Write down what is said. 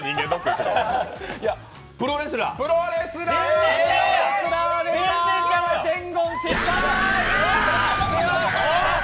いや、プロレスラー。